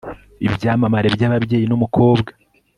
ibyamamare byababyeyi numukobwa